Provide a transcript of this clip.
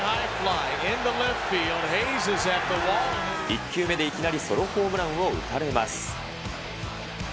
１球目でいきなりソロホームランを打たれます。